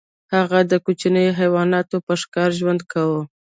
هغه د کوچنیو حیواناتو په ښکار ژوند کاوه.